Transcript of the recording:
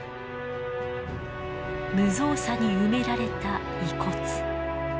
無造作に埋められた遺骨。